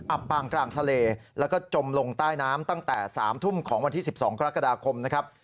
อับปางกลางทะเลแล้วก็จมลงใต้น้ำตั้งแต่๓ทุ่มของวันที่๑๒กรกฎาคมนะครับ